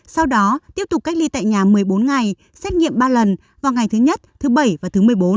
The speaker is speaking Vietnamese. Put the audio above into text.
sau đó tiếp tục cách ly tại nhà một mươi bốn ngày xét nghiệm ba lần vào ngày thứ nhất thứ bảy và thứ một mươi bốn